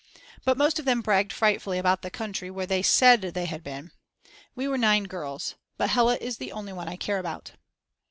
But most of them bragged frightfully about the country where they said they had been. We were 9 girls. But Hella is the only one I care about.